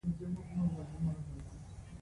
احمد یو ښه بزګر دی.